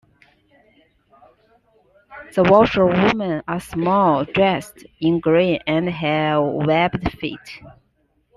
The washerwomen are small, dressed in green and have webbed feet.